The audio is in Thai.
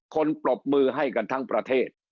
ปรบมือให้กันทั้งประเทศ